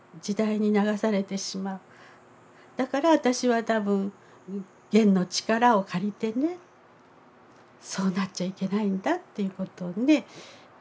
だから私は多分ゲンの力を借りてねそうなっちゃいけないんだっていうことをね言いたいんだと思います。